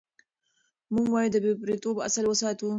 موږ باید د بې پرېتوب اصل وساتو.